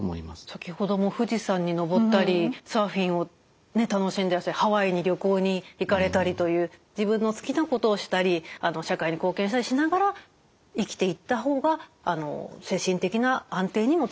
先ほども富士山に登ったりサーフィンを楽しんでいらしたりハワイに旅行に行かれたりという自分の好きなことをしたり社会に貢献したりしながら生きていった方が精神的な安定にもつながるということでしょうか？